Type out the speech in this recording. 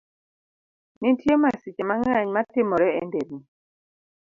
Nitie masiche mang'eny matimore e nderni.